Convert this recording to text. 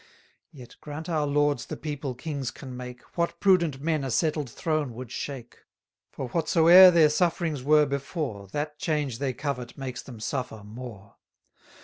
Yet, grant our lords the people kings can make, What prudent men a settled throne would shake? For whatsoe'er their sufferings were before, That change they covet makes them suffer more.